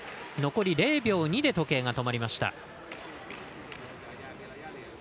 残り０秒２で時計が止まりました。